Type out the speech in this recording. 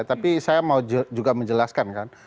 tapi saya mau juga menjelaskan kan